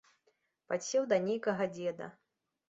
Падсеў да нейкага дзеда.